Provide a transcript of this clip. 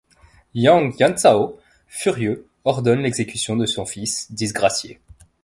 Yang Yanzhao, furieux, ordonne l'exécution de son fils, disgracié.